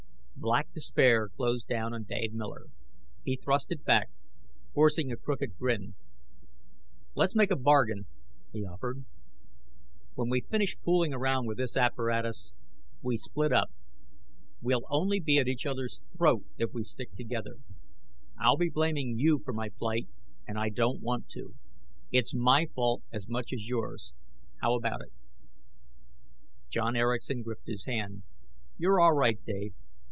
Black despair closed down on Dave Miller. He thrust it back, forcing a crooked grin. "Let's make a bargain," he offered. "When we finish fooling around with this apparatus, we split up. We'll only be at each other's throat if we stick together. I'll be blaming you for my plight, and I don't want to. It's my fault as much as yours. How about it?" John Erickson gripped his hand. "You're all right, Dave.